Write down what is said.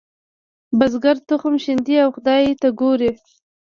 بزګر تخم شیندي او خدای ته ګوري.